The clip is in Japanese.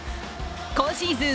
今シーズン